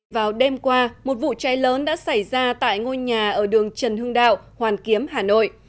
vào đêm qua một vụ cháy lớn đã xảy ra tại ngôi nhà ở đường trần hưng đạo hoàn kiếm hà nội